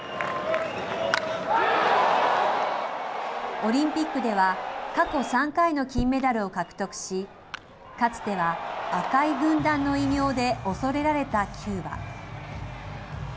オリンピックでは、過去３回の金メダルを獲得し、かつては赤い軍団の異名で恐れられたキューバ。